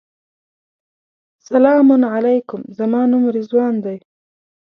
سلام علیکم زما نوم رضوان دی.